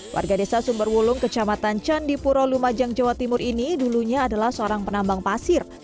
warga desa sumberwulung kecamatan candipuro lumajang jawa timur ini dulunya adalah seorang penambang pasir